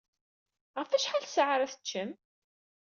Ɣef wacḥal ssaɛa ara teččem?